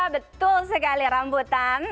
betul sekali rambutan